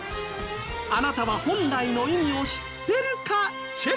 あなたは本来の意味を知ってるかチェック！